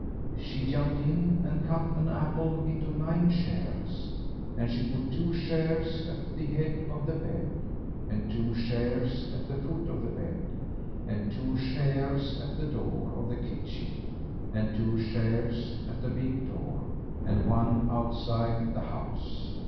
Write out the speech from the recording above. She jumped in, and cut an apple into nine shares, and she put two shares at the head of the bed, and two shares at the foot of the bed, and two shares at the door of the kitchen, and two shares at the big door, and one outside the house.